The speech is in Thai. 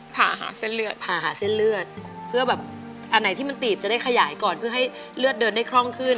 ผ่าหาเส้นเลือดผ่าหาเส้นเลือดเพื่อแบบอันไหนที่มันตีบจะได้ขยายก่อนเพื่อให้เลือดเดินได้คล่องขึ้น